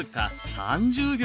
３０秒？